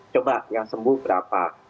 coba yang sembuh berapa